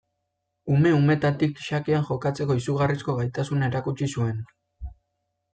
Ume-umetatik xakean jokatzeko izugarrizko gaitasuna erakutsi zuen.